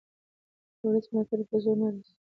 د ولس ملاتړ په زور نه راځي